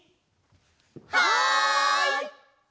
はい！